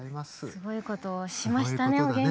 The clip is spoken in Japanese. すごいことをしましたね。